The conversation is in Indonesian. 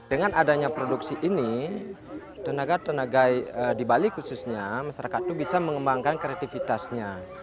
dengan adanya produksi ini tenaga tenaga di bali khususnya masyarakat itu bisa mengembangkan kreativitasnya